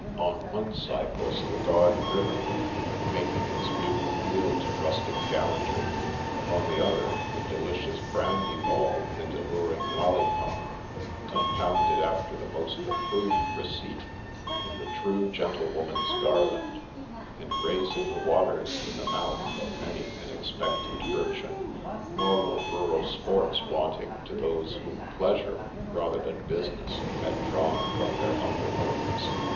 On one side was the gaudy riband, making its mute appeal to rustic gallantry ; on the other the delicious brandy ball and alluring lollipop, compounded after the most approved receipt in the ' True Gentlewoman's Garland,' and ' raising the waters ' in the mouth of many an expectant urchin. Nor were rural sports wanting to those whom pleasure, rather than business, had drawn from their humble homes.